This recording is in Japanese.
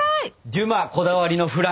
デュマこだわりのフラン！